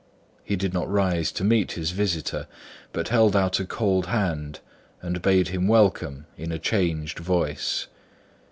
He did not rise to meet his visitor, but held out a cold hand and bade him welcome in a changed voice.